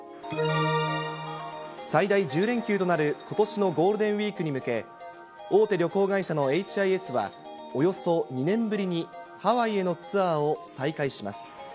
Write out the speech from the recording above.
最大１０連休となることしのゴールデンウィークに向け、大手旅行会社のＨＩＳは、およそ２年ぶりにハワイへのツアーを再開します。